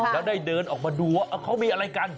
แล้วได้เดินออกมาดูว่าเขามีอะไรกัน